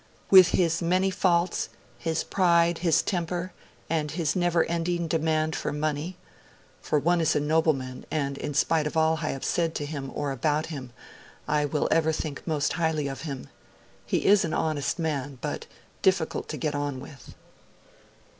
'With his many faults, his pride, his temper, and his never ending demand for money, (for one is a noble man, and in spite of all I have said to him or about him) I will ever think most highly of him.... He is an honest man, but difficult to get on with.'